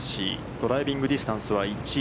ドライビングディスタンスは１位。